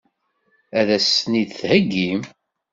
Ad as-ten-id-theggim?